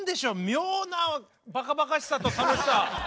妙なバカバカしさと楽しさ。